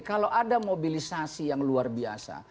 kalau ada mobilisasi yang luar biasa